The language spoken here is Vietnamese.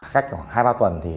cách khoảng hai ba tuần